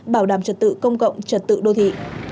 bảo đảm trật tự công cộng trật tự đô thị